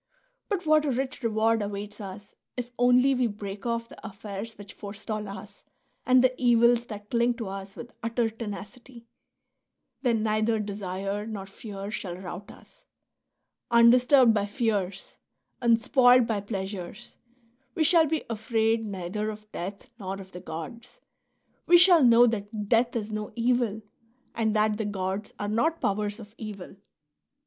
But what a rich reward awaits us if only we break off the affairs which forestall us and the evils that cling to us with utter tenacity ! Then neither desire nor fear shall rout us. Undisturbed by fears, unspoiled by pleasures, we shall be afraid neither of death nor of the gods; we shall know that death is no evil and that the gods are not powers of evil.